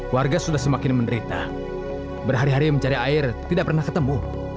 warga sudah semakin menderita berhari hari mencari air tidak pernah ketemu